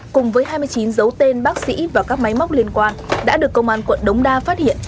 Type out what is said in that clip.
cùng với hai mươi chín dấu tên bác sĩ và các máy móc liên quan đã được công an quận đống đa phát hiện